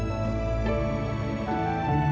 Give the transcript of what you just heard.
hei dokter kakak